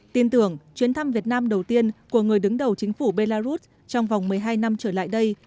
tin tưởng chuyến thăm việt nam đầu tiên của người đứng đầu chính phủ belarus trong vòng một mươi hai năm trở lại đây